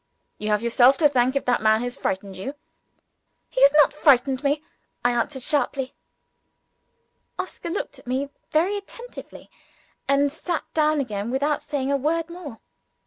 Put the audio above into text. "You have yourself to thank, if that man has frightened you." "He has not frightened me," I answered sharply enough. Oscar looked at me very attentively; and sat down again, without saying a word more.